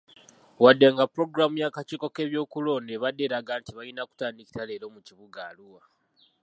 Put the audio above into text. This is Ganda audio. Wadde nga pulogulaamu y'akakiiko k'ebyokulonda ebadde eraga nti balina kutandika leero mu kibuga Arua.